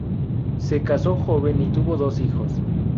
Se caso joven y tuvo dos hijos.